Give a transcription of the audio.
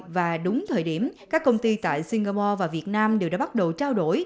và đúng thời điểm các công ty tại singapore và việt nam đều đã bắt đầu trao đổi